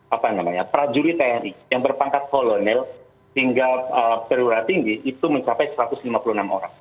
apa namanya prajurit tni yang berpangkat kolonel hingga perwira tinggi itu mencapai satu ratus lima puluh enam orang